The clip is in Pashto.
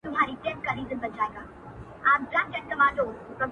هره ورځ لکه لېندۍ پر ملا کږېږم!